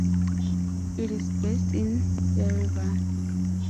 It is based in Yerevan.